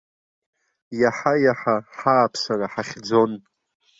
Иаҳа-иаҳа ҳааԥсара ҳахьӡон.